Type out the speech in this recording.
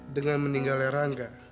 dengan meninggalnya rangga